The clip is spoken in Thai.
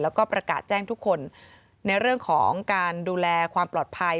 แล้วก็ประกาศแจ้งทุกคนในเรื่องของการดูแลความปลอดภัย